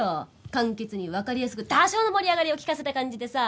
簡潔にわかりやすく多少の盛り上がりを利かせた感じでさ。